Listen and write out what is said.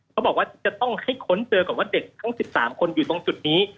เขาบอกว่าจะต้องให้ค้นเจอก่อนว่าเด็กทั้ง๑๓คนอยู่ตรงจุดนี้